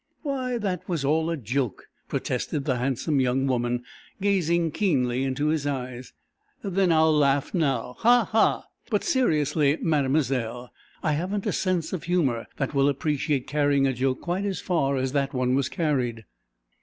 "Why, that was all a joke," protested the handsome young woman, gazing keenly into his eyes. "Then I'll laugh now ha! ha! But seriously, Mademoiselle, I haven't a sense of humor that will appreciate carrying a joke quite as far as that one was carried."